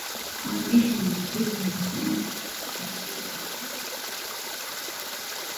Waandishi na watetezi waonya kuhusu vitisho kwa uhuru wa habari kupitia teknolojia